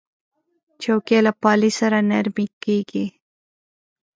چوکۍ له پالې سره نرمې کېږي.